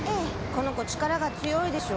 この子力が強いでしょ？